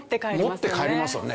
持って帰りますよね。